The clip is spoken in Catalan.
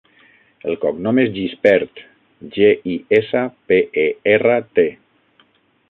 El cognom és Gispert: ge, i, essa, pe, e, erra, te.